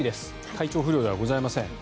体調不良ではございません。